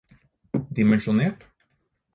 dimensjonert